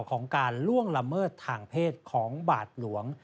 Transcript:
ของการล่วงละเมิดทางเพศของบาทหลวง